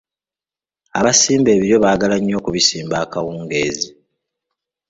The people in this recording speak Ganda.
Abasimba ebiryo baagala nnyo okubisimba akawungeezi.